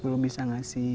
belum bisa ngasih